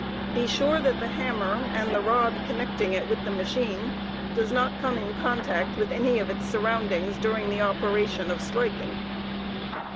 Be sure that the hammer and the rod connecting it with the machine does n ^ unmer and not come in contact with any of its surroundings during the operation of striking.